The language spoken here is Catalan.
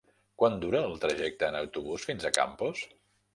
Quant dura el trajecte en autobús fins a Campos?